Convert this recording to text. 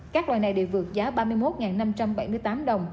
các loài này đều vượt giá ba mươi một năm trăm bảy mươi tám đồng